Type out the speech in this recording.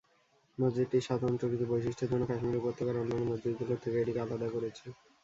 মসজিদটির স্বাতন্ত্র্য কিছু বৈশিষ্ট্যের জন্য কাশ্মীর উপত্যকার অন্যান্য মসজিদগুলোর থেকে এটিকে আলাদা করেছে।